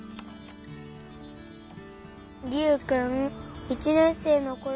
「りゅうくん１年生のころは」。